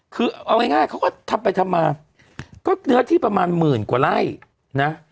คือเอาง่ายเขาก็ทำไปทำมาก็เนื้อที่ประมาณหมื่นกว่าไร่นะ